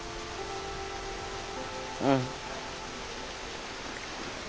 うん。